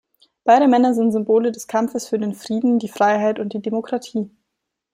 Beide Männer sind Symbole des Kampfes für den Frieden, die Freiheit und die Demokratie.